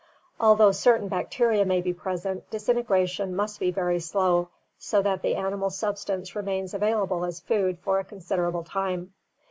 Although certain bacteria may be present, disintegration must be very slow, so that the animal substance remains available as food for a considerable time.